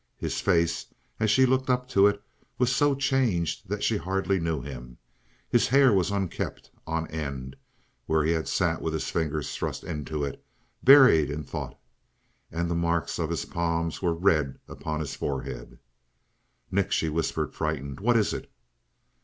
His face, as she looked up to it, was so changed that she hardly knew him. His hair was unkempt, on end, where he had sat with his fingers thrust into it, buried in thought. And the marks of his palms were red upon his forehead. "Nick," she whispered, frightened, "what is it?"